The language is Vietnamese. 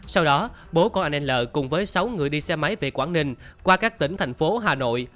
sau đó bố con em l cùng với sáu người đi xe máy về quảng ninh qua các tỉnh thành phố hà nội